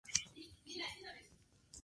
Las pistas se entregaban en varios formatos.